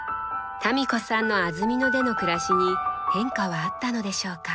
民子さんの安曇野での暮らしに変化はあったのでしょうか？